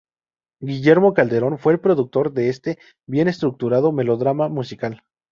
Guillermo Calderón fue el productor de este bien estructurado melodrama musical.